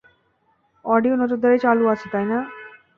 Audio নজরদারি চালু আছে, তাই না?